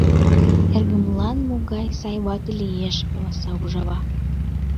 — Эргымлан могай сай вате лиеш! — каласа ужава.